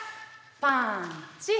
パンチ！